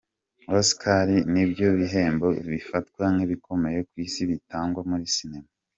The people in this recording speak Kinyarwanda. Oscars” ni byo bihembo bifatwa nk’ibikomeye ku isi bitangwa muri Sinema.